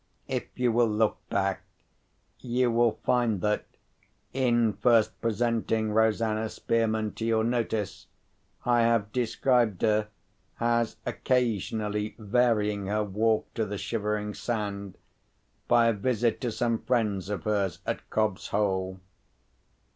If you will look back, you will find that, in first presenting Rosanna Spearman to your notice, I have described her as occasionally varying her walk to the Shivering Sand, by a visit to some friends of hers at Cobb's Hole.